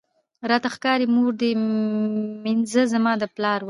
راته ښکاری مور دي مینځه زما د پلار وه